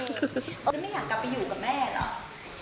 ไม่อยากกลับไปอยู่กับแม่เหรอ